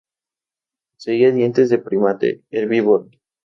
Poseía dientes de primate herbívoro.